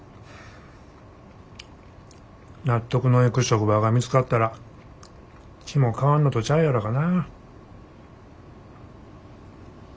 納得のいく職場が見つかったら気も変わんのとちゃうやろかな。